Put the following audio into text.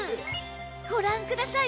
ご覧ください！